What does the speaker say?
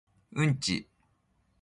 uyeygu!